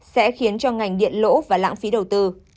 sẽ khiến cho ngành điện lỗ và lãng phí đầu tư